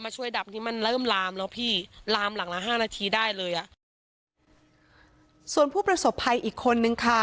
ส่วนผู้ประสบภัยอีกคนหนึ่งค่ะ